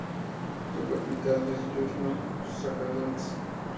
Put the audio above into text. Su capital es Yuzhno-Sajalinsk.